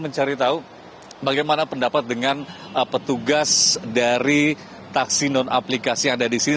mencari tahu bagaimana pendapat dengan petugas dari taksi non aplikasi yang ada di sini